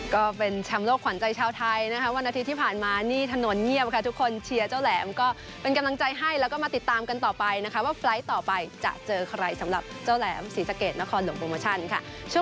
ก็เป็นแชมป์โลกขวัญใจชาวไทยนะคะวันอาทิตย์ที่ผ่านมานี่ถนนเงียบค่ะทุกคนเชียร์เจ้าแหลมก็เป็นกำลังใจให้แล้วก็มาติดตามกันต่อไปนะคะว่าไฟล์ทต่อไปจะเจอใครสำหรับเจ้าแหลมศรีสะเกดนครหลวงโปรโมชั่นค่ะ